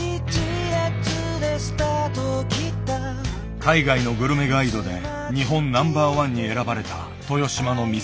海外のグルメガイドで日本ナンバーワンに選ばれた豊島の店。